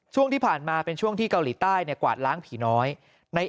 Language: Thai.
ช่วงที่ผ่านมาเป็นช่วงที่เกาหลีใต้กวาดล้างผีน้อย